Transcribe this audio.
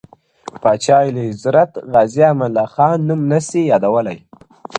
پاچا اعلیحضرت غازي امان الله خان نوم نه سي یادولای -